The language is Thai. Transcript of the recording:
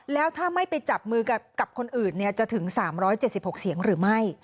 แล้วถ้าไม่ไปจับมือกับคนอื่นจะถึง๓๗๖เสียงหรือไม่